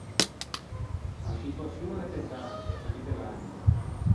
A scituaçion a l’é pesante, a mette lagno.